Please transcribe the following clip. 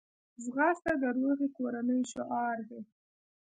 ځغاسته د روغې کورنۍ شعار دی